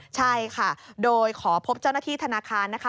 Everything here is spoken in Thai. ใช่ค่ะโดยขอพบเจ้าหน้าที่ธนาคารนะคะ